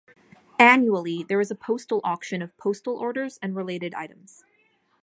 Annually, there is a postal auction of postal orders and related items.